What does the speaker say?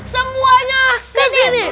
semuanya ke sini